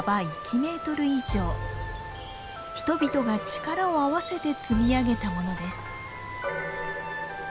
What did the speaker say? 人々が力を合わせて積み上げたものです。